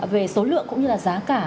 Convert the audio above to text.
về số lượng cũng như là giá cả